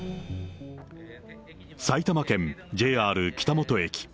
埼玉県ＪＲ北本駅。